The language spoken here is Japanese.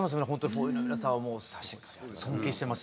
ふぉゆの皆さんは尊敬してます。